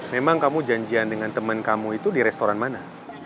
memang kamu janjian dengan temen kamu itu di restoran mana